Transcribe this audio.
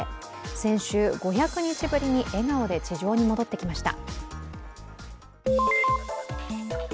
先週、５００日ぶりに笑顔で地上に戻ってきました。